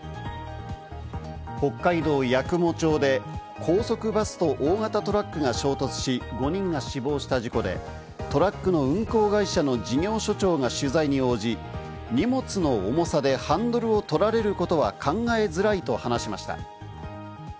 北海道八雲町で高速バスと大型トラックが衝突し、５人が死亡した事故で、トラックの運行会社の事業所長が取材に応じ、荷物の重さでハンドルを取られることは考えづらいと話しました。